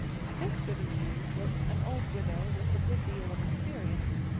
This goody Liu was an old widow, with a good deal of experience.